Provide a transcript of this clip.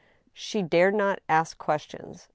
She dared not ask questions.